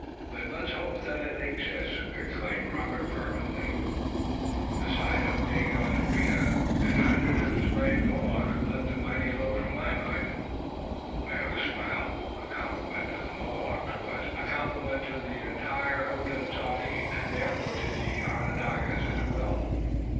"Then let us hope that it exists!" exclaimed Robert fervently. "The sight of Daganoweda and a hundred of his brave Mohawks would lift a mighty load from my mind." Tayoga smiled. A compliment to the Mohawks was a compliment to the entire Hodenosaunee, and therefore to the Onondagas as well.